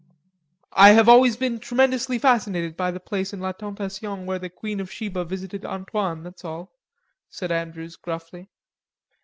"I have always been tremendously fascinated by the place in La Tentation where the Queen of Sheba visited Antoine, that's all," said Andrews gruffly.